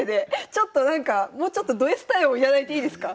ちょっとなんかもうちょっとドＳ対応も頂いていいですか？